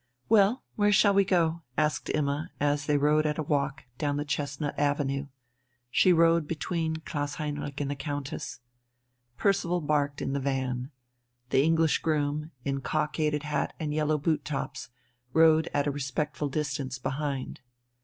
"Well, where shall we go?" asked Imma as they rode at a walk down the chestnut avenue. She rode between Klaus Heinrich and the Countess. Percival barked in the van. The English groom, in cockaded hat and yellow boot tops, rode at a respectful distance behind.